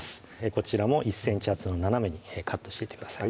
こちらも１ｃｍ厚の斜めにカットしていってください